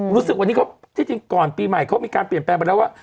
รู้สึกวันนี้ที่จริงก่อนปีใหม่เขามีการเปลี่ยนแปลงไปแล้วว่า